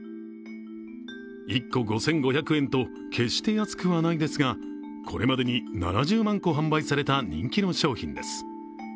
１個５５００円と決して安くはないですがこれまでに７０万個販売された人気の商品です。